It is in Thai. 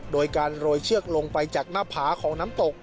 โดยการโรยเชือกลงไปจากหน้าผาของน้ำตก